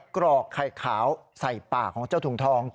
กรอกไข่ขาวใส่ปากของเจ้าถุงทอง